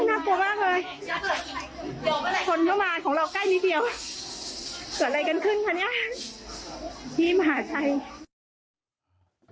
คนละมานของเราใกล้นิดเดียวเกิดอะไรกันขึ้นคราวนี้ที่มหาชัย